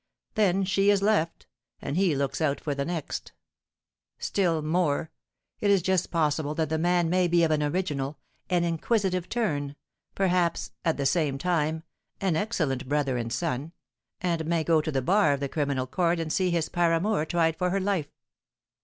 Then she is left, and he looks out for the next. Still more, it is just possible that the man may be of an original, an inquisitive turn, perhaps, at the same time, an excellent brother and son, and may go to the bar of the criminal court and see his paramour tried for her life!